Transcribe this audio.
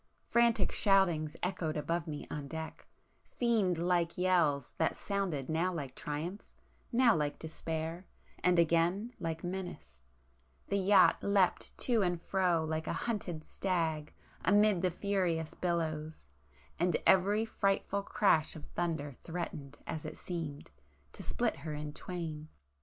Frantic shoutings echoed above me on deck,—fiend like yells that sounded now like triumph, now like despair, and again like menace,—the yacht leaped to and fro like a hunted stag amid the furious billows, and every frightful crash of thunder threatened, as it seemed, to split her in twain.